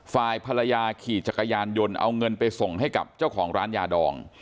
ฝ่ายภรรยาขี่จักรยานยนต์เอาเงินไปส่งให้กับเจ้าของร้านยาดอง